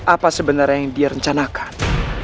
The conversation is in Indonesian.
apa sebenarnya yang direncanakan